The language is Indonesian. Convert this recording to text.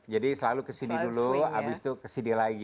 jadi selalu kesini dulu abis itu kesini lagi abis itu kesini lagi